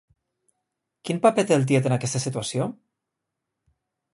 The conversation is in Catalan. Quin paper té el tiet en aquesta situació?